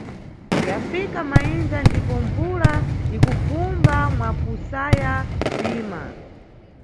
Yafika mayindza ndipo mbvula ikubvumba mwakusaya kuyima.